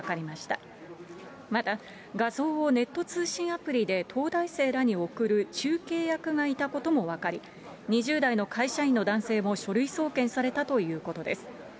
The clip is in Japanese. また画像をネット通信アプリで東大生らに送る中継役がいたことも分かり、２０代の会社員の男性も書類送検されたということです。